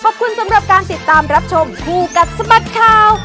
ว้าวขอบคุณสำหรับการติดตามรับชมครูกัดสมัครข่าว